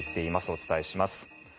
お伝えします。